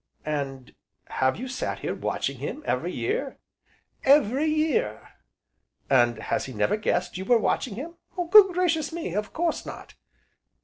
"And have you sat here watching him, every year?" "Every year!" "And he has never guessed you were watching him?" "Good gracious me! of course not."